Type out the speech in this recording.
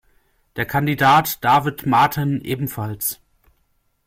Der Kandidat David Martin ebenfalls.